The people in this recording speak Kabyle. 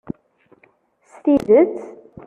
S tidet?